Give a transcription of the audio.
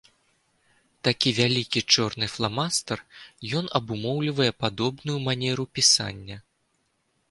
Такі вялікі чорны фламастар, ён абумоўлівае падобную манеру пісання.